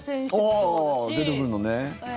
おお、出てくるのね。